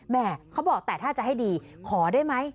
เขาบอกแต่ถ้าจะให้ดีขอได้ไหม